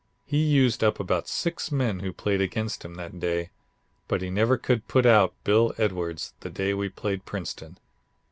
He used up about six men who played against him that day, but he never could put out Bill Edwards the day we played Princeton.